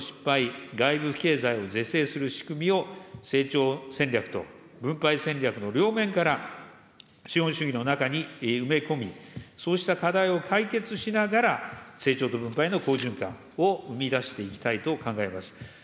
市場の失敗、外部経済を是正する仕組みを成長戦略と分配戦略の両面から資本主義の中にそうした課題を解決しながら、成長と分配の好循環を生み出していきたいと思います。